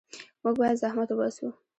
موږ باید زحمت وباسو.